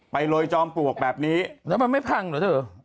โรยจอมปลวกแบบนี้แล้วมันไม่พังเหรอเธอ